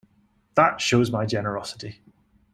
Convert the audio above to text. That shows my generosity.